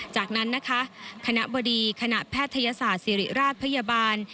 จากนั้นนะคะคณะบดีคณะแพทยศาสตร์ศิริราชพยาบาล